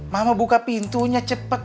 mama buka pintunya cepet